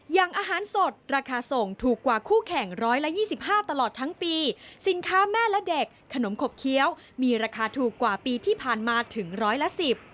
อย่างอาหารสดราคาส่งถูกกว่าคู่แข่งร้อยละยี่สิบห้าตลอดทั้งปีสินค้าแม่และเด็กขนมขบเคี้ยวมีราคาถูกกว่าปีที่ผ่านมาถึงร้อยละสิบ